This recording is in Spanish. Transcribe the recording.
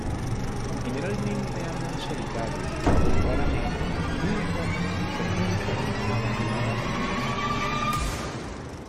Generalmente andan solitarios, raramente o nunca se juntan a bandadas mixtas.